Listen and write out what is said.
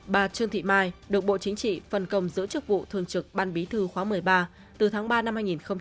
bà trương thị mai được bộ chính trị phân công giữ chức vụ thường trực ban bí thư khóa một mươi ba từ tháng ba năm hai nghìn một mươi chín